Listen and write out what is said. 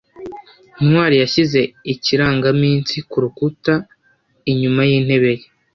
ntwali yashyize ikirangaminsi kurukuta inyuma yintebe ye